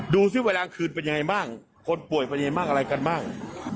ซิเวลากลางคืนเป็นยังไงบ้างคนป่วยเป็นยังไงบ้างอะไรกันบ้าง